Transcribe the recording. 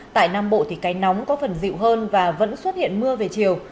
tại nam bộ thì cái nóng có phần dịu hơn và vẫn xuất hiện mưa về chiều